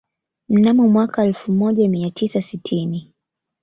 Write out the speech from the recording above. Mnamo mwaka elfu moja mia tisa sitini